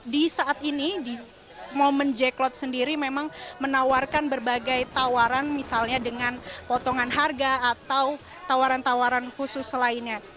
di saat ini di momen jack clot sendiri memang menawarkan berbagai tawaran misalnya dengan potongan harga atau tawaran tawaran khusus lainnya